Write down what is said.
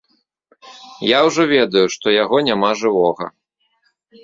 Я ўжо ведаю, што яго няма жывога.